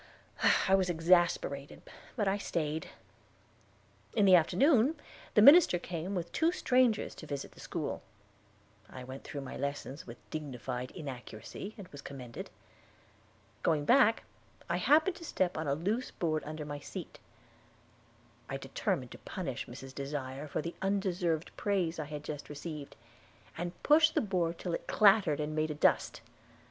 I was exasperated, but I stayed. In the afternoon the minister came with two strangers to visit the school. I went through my lessons with dignified inaccuracy, and was commended. Going back, I happened to step on a loose board under my seat. I determined to punish Mrs. Desire for the undeserved praise I had just received, and pushed the board till it clattered and made a dust.